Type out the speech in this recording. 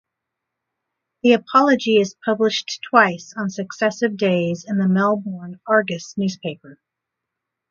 The apology is published twice on successive days in the Melbourne Argus newspaper.